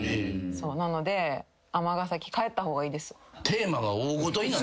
なので尼崎帰った方がいいです。